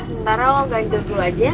sementara lo ganjur dulu aja ya